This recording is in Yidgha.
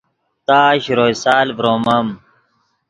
تا شروئے سال ڤرومم